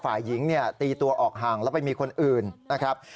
ฝ่ายหญิงเนี่ยตีตัวออกห่างแล้วไปมีคนอื่นนะครับ